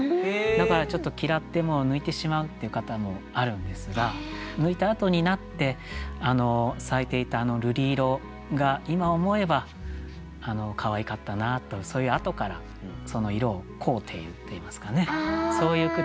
だからちょっと嫌ってもう抜いてしまうっていう方もあるんですが抜いたあとになって咲いていたあの瑠璃色が今思えばかわいかったなとそういうあとからその色を恋ふているといいますかねそういう句ですね。